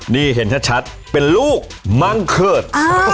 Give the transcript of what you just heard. นี่เห็นชัดเป็นลูกมั่งเขิด